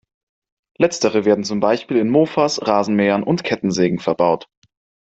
Letztere werden zum Beispiel in Mofas, Rasenmähern und Kettensägen verbaut.